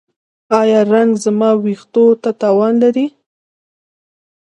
ایا رنګ زما ویښتو ته تاوان لري؟